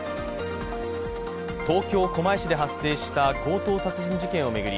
東京・狛江市で発生した強盗殺人事件を巡り